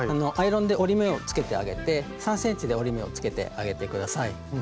アイロンで折り目をつけてあげて３ｃｍで折り目をつけてあげて下さい。